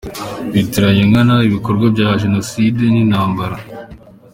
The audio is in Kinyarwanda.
Bitiranya nkana ibikorwa bya Jenoside n’intambara.